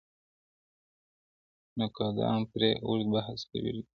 نقادان پرې اوږد بحث کوي ډېر,